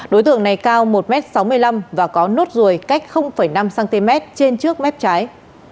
đối tượng này cao một m sáu mươi năm và có nốt ruồi cách năm cm trên trước mép trái